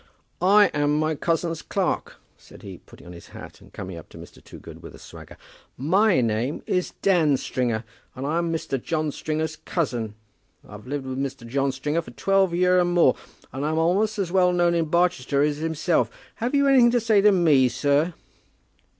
"I am my cousin's clerk," said he, putting on his hat, and coming up to Mr. Toogood with a swagger. "My name is Dan Stringer, and I'm Mr. John Stringer's cousin. I've lived with Mr. John Stringer for twelve year and more, and I'm a'most as well known in Barchester as himself. Have you anything to say to me, sir?"